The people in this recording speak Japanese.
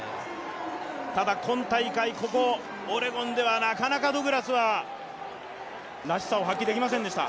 ただ今大会、ここオレゴンではなかなかド・グラスはらしさを発揮できませんでした。